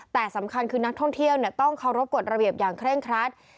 แต่สำคัญคือนักท่องเที่ยวต้องเคารพกฎระเบียบอย่างเคร่งครัด